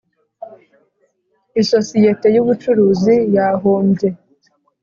isosiyete y ubucuruzi yahombye